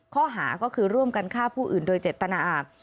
ข้อหาก็คือร่วมกันฆ่าผู้อื่นโดยเจตนาอาบ